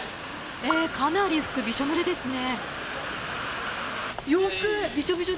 かなり服、びしょぬれですね。